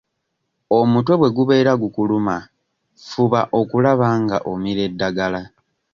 Omutwe bwe gubeera gukuluma fuba okulaba nga omira eddagala.